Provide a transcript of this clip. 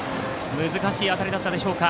難しい当たりだったでしょうか。